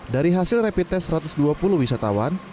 dari hasil rapid test satu ratus dua puluh wisatawan